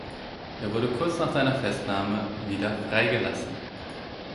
Er wurde kurz nach seiner Festnahme wieder freigelassen.